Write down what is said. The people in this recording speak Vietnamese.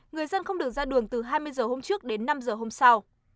người dân không được ra đường từ hai mươi h hôm trước đến năm h hôm sau